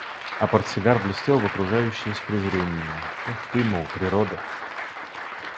А портсигар блестел в окружающее с презрением: – Эх, ты, мол, природа!